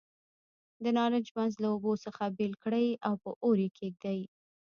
د نارنج منځ له اوبو څخه بېل کړئ او په اور یې کېږدئ.